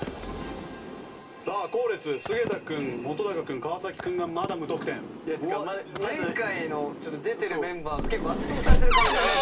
後列菅田君本君川君がまだ前回の出てるメンバーが結構圧倒されてる感じあります。